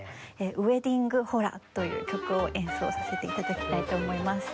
『ウェディング・ホラ』という曲を演奏させて頂きたいと思います。